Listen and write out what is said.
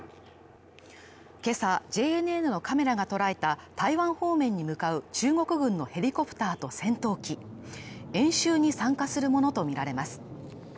今朝、ＪＮＮのカメラが捉えた台湾方面に向かう中国軍のヘリコプターと戦闘機演習に参加するものとみられます。